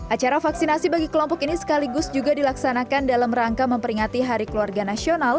acara vaksinasi bagi kelompok ini sekaligus juga dilaksanakan dalam rangka memperingati hari keluarga nasional